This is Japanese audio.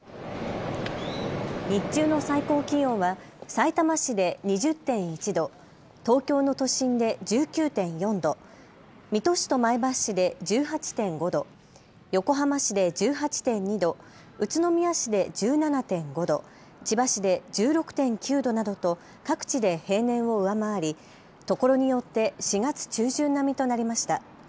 日中の最高気温はさいたま市で２０．１度、東京の都心で１９．４度、水戸市と前橋市で１８．５度、横浜市で１８．２度、宇都宮市で１７．５度、千葉市で１６．９度などと各地で平年を上回りところによって４月中旬並みとなりました。